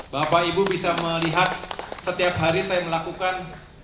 bapak ibu bisa melihat setiap hari saya melakukan